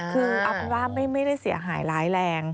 คือเอาเป็นว่าไม่ได้เสียหายร้ายแรง